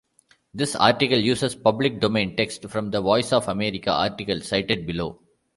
This article uses public domain text from the Voice of America article cited below.